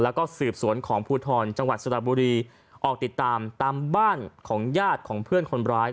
แล้วก็สืบสวนของภูทรจังหวัดสระบุรีออกติดตามตามบ้านของญาติของเพื่อนคนร้าย